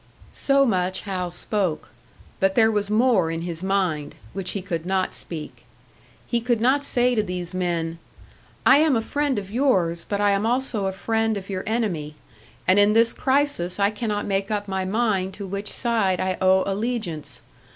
So much Hal spoke; but there was more in his mind, which he could not speak. He could not say to these men, "I am a friend of yours, but I am also a friend of your enemy, and in this crisis I cannot make up my mind to which side I owe allegiance.